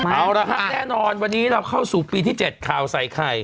เอาละครับแน่นอนวันนี้เราเข้าสู่ปีที่๗ข่าวใส่ไข่